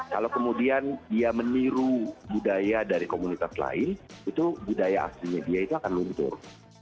kalau kemudian dia meniru budaya dari komunitas lain itu budaya aslinya dia itu akan luntur